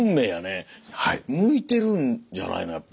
向いてるんじゃないのやっぱ。